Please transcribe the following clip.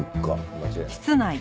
間違いない。